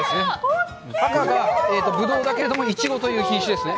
赤がぶどうだけれどもいちごという品種ですね。